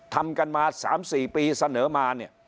ทำกันมา๓๔ปีเสนอมา